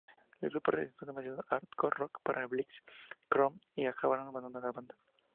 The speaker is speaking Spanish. El grupo resultó demasiado art-rock para Blitz y Chrome, y acabaron abandonando la banda.